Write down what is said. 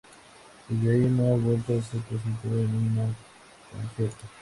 Desde ahí no ha vuelto a ser presentada en un concierto.